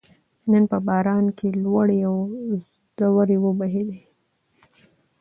نن په باران کې لوړې او ځوړې وبهېدلې